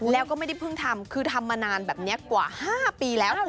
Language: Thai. แล้วก็ไม่ได้เพิ่งทำคือทำมานานแบบนี้กว่า๕ปีแล้ว